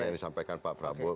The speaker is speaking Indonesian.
yang disampaikan pak prabowo